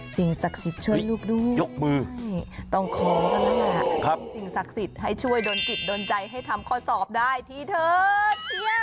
สิ่งศักดิ์สิทธิ์ช่วยลูกดูต้องขอด้วยสิ่งศักดิ์สิทธิ์ให้ช่วยโดนจิตโดนใจให้ทำข้อสอบได้ที่เถิด